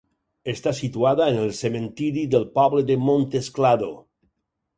Està situada en el cementiri del poble de Montesclado.